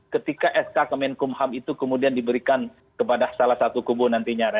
ketika sk kemenkumham itu kemudian diberikan kepada salah satu kubu nantinya